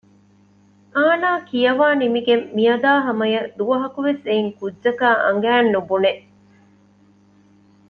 އާނާ ކިޔަވާ ނިމިގެން މިއަދާ ހަމައަށް ދުވަހަކުވެސް އެއިން ކުއްޖަކާ އަނގައިން ނުބުނެ